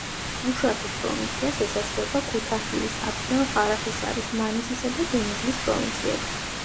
უშაქის პროვინციას ესაზღვრება ქუთაჰიის, აფიონ-ყარაჰისარის, მანისისა და დენიზლის პროვინციები.